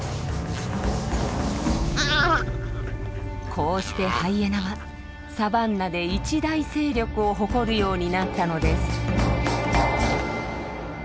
こうしてハイエナはサバンナで一大勢力を誇るようになったのです。